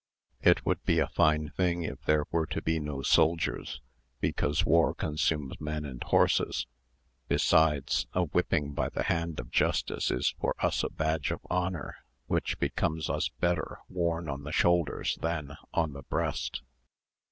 It would be a fine thing if there were to be no soldiers, because war consumes men and horses. Besides, a whipping by the hand of justice is for us a badge of honour, which becomes us better worn on the shoulders than on the breast.